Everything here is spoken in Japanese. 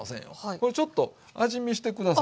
これちょっと味見して下さい。